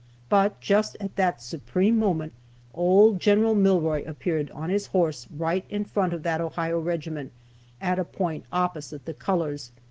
But just at that supreme moment, old Gen. Milroy appeared, on his horse, right in front of that Ohio regiment, at a point opposite the colors.